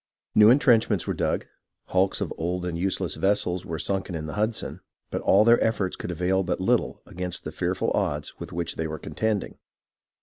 New entrenchments were dug, hulks of old and useless vessels were sunk in the Hudson ; but all their efforts could avail but little against the fear ful odds with which they were contending.